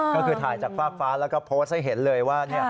ก็คือถ่ายจากฟากฟ้าแล้วก็โพสต์ให้เห็นเลยว่า